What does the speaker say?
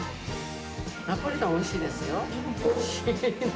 ナポリタン、おいしいですよ。